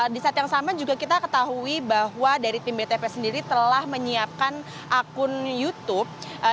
di saat yang sama juga kita ketahui bahwa dari tim btp sendiri telah menyiapkan akun youtube